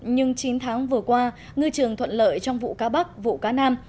nhưng chín tháng vừa qua ngư trường thuận lợi trong vụ cá bắp vụ cá nam